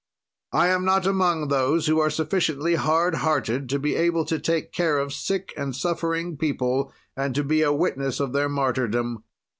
"I am not among those who are sufficiently hard hearted to be able to take care of sick and suffering people and to be a witness of their martyrdom.